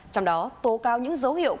trong đó tố cao những dấu hiệu